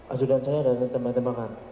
azu dan saya ada tembak tembakan